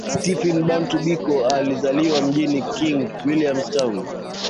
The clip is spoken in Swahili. Stephen Bantu Biko alizaliwa mjini King Williams Town